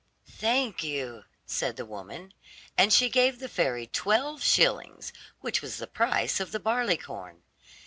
"Thank you," said the woman, and she gave the fairy twelve shillings, which was the price of the barleycorn.